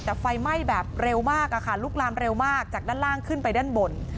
แต่ไฟไหม้แบบเร็วมากลุกลามเร็วมากจากด้านล่างขึ้นไปด้านบน